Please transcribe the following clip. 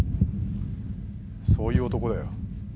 そういう男だよ。